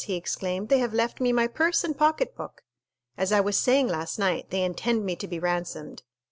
he exclaimed; "they have left me my purse and pocket book. As I was saying last night, they intend me to be ransomed.